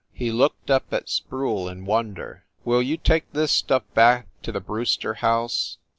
He looked up at Sproule in wonder. "Will you take this stuff back to the Brewster house